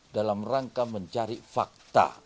dalam rangka mencari fakta